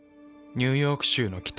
ニューヨーク州の北。